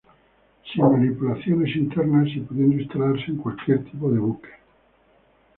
Sin manipulaciones internas y pudiendo instalarse en cualquier tipo de buque.